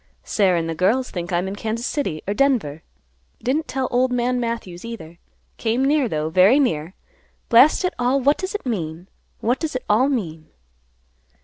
Sarah and the girls think I am in Kansas City or Denver. Didn't tell old man Matthews, either; came near, though, very near. Blast it all; what does it mean? what does it all mean?"